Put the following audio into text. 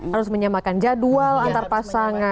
harus menyamakan jadwal antar pasangan